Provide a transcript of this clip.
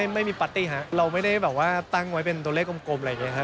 ไม่มีพาร์ตตีฮะเราไม่ได้ตั้งไว้เป็นตัวเลขกลมอะไรอย่างนี้ค่ะ